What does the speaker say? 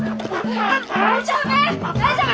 大丈夫！？